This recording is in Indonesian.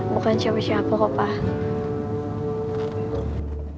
bukan siapa siapa kok pak